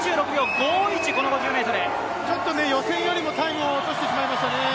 池本、予選よりもタイムを落としてしまいましたね。